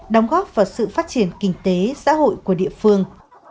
đóng góp vào sự phát triển kinh tế xã hội của địa phương